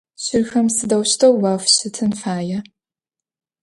Щырхэм сыдэущтэу уафыщытын фая?